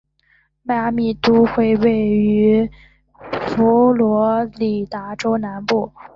迈阿密都会区位于佛罗里达州南部。